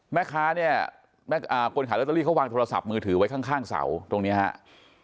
แม่ค้าเนี่ยคนขายลอตเตอรี่เขาวางโทรศัพท์มือถือไว้ข้างเสาตรงนี้ครับ